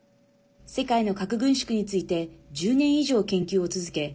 世界の核軍縮について１０年以上研究を続け